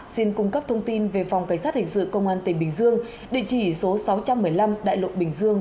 xin cung cấp thông tin về phòng cảnh sát hình sự công an tỉnh bình dương địa chỉ số sáu trăm một mươi năm đại lộ bình dương